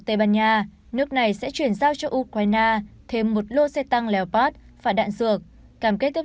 tây ban nha nước này sẽ chuyển giao cho ukraine thêm một lô xe tăng lèo pat và đạn dược cam kết tiếp